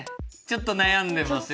ちょっと悩んでます。